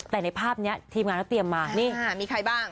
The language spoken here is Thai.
แต่ในภาพนี้ทีมงานเขาเตรียมมานี่มีใครบ้าง